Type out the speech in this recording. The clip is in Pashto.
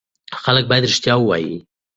خلک باید رښتیا ووایي.